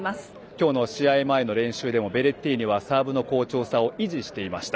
今日の試合前の練習でもベレッティーニはサーブの好調さを維持していました。